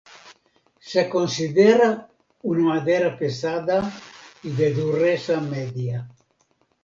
Se considera una madera pesada y de dureza media.